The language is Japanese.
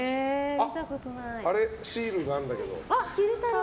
あれ、シールがあるんだけど。